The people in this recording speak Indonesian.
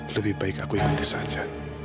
lebih baik aku ikuti saja